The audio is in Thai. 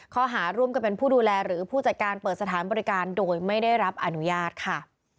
ข้อหาร่วมกันเป็นผู้ดูแลหรือผู้จัดการเปิดสถานบริการโดยไม่ได้รับอนุญาตค่ะ